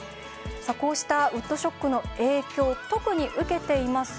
こうしたウッドショックの影響、特に受けています